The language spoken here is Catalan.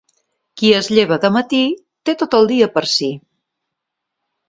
Qui es lleva de matí, té tot el dia per si.